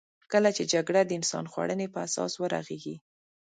کله چې جګړه د انسان خوړنې په اساس ورغېږې.